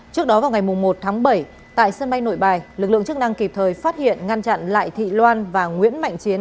trước đó vào ngày một tháng bảy tại sân bay nội bài lực lượng chức năng kịp thời phát hiện ngăn chặn lại thị loan và nguyễn mạnh chiến